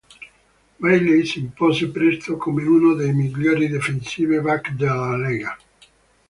Bailey si impose presto come uno dei migliori defensive back della lega.